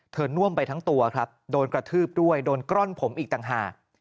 น่วมไปทั้งตัวครับโดนกระทืบด้วยโดนก้อนผมอีกต่างหาก